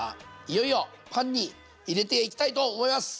いよいよパンに入れていきたいと思います！